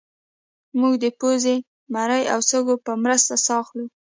موږ د پوزې مرۍ او سږو په مرسته ساه اخلو